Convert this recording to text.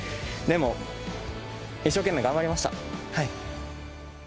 でも、一生懸命頑張りました。